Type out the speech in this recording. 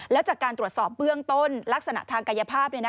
แล้วจากการตรวจสอบเบื้องต้นลักษณะทางกายภาพ